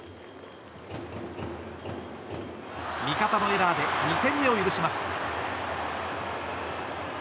味方のエラーで２点目を許します。